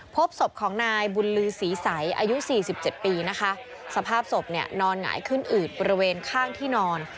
พบศพของนายบุญลือศรีใสอายุสี่สิบเจ็ดปีนะคะสภาพศพเนี่ยนอนหงายขึ้นอืดบริเวณข้างที่นอน